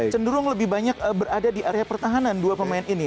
cenderung lebih banyak berada di area pertahanan dua pemain ini